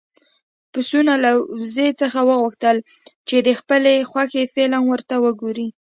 پسونه له وزې څخه وغوښتل چې د خپلې خوښې فلم ورته وګوري.